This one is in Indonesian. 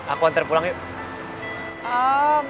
aku hantar pulang yuk